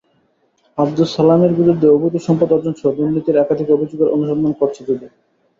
আবদুস সালামের বিরুদ্ধে অবৈধ সম্পদ অর্জনসহ দুর্নীতির একাধিক অভিযোগের অনুসন্ধান করছে দুদক।